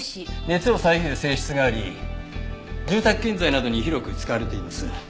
熱を遮る性質があり住宅建材などに広く使われています。